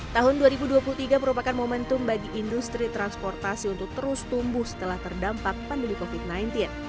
tahun dua ribu dua puluh tiga merupakan momentum bagi industri transportasi untuk terus tumbuh setelah terdampak pandemi covid sembilan belas